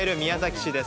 市です。